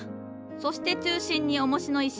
そして中心におもしの石を載せる。